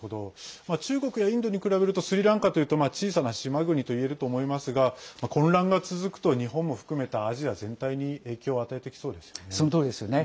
中国やインドに比べるとスリランカというと小さな島国と言えると思いますが混乱が続くと日本も含めたアジア全体に影響を与えてきそうですね。